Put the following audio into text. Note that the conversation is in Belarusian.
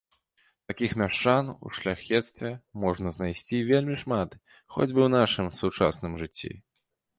Такіх мяшчан у шляхецтве можна знайсці вельмі шмат хоць бы ў нашым сучасным жыцці.